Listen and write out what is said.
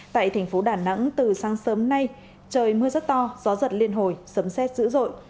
tại thành phố đà nẵng từ sáng sớm nay trời mưa rất to gió giật liên hồi sấm xét dữ dội